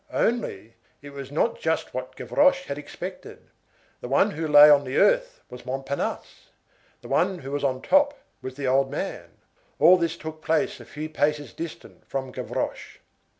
Only, it was not just what Gavroche had expected. The one who lay on the earth was Montparnasse; the one who was on top was the old man. All this took place a few paces distant from Gavroche.